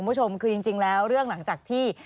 คุณผู้ชมคือจริงแล้วเรื่องหลังจากที่